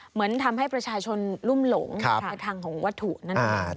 เหมือนทำให้ประชาชนรุ่มหลงในทางของวัตถุนั่นเอง